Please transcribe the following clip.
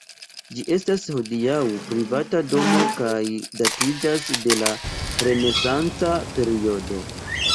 Ĝi estas hodiaŭ privata domo kaj datiĝas de la renesanca periodo.